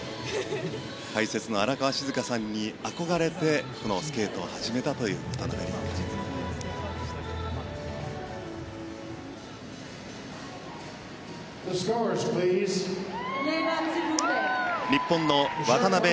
解説の荒川静香さんに憧れてスケートを始めたという渡辺。